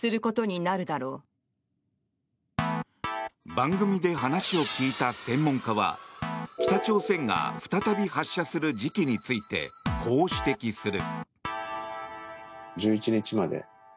番組で話を聞いた専門家は北朝鮮が再び発射する時期についてこう指摘する。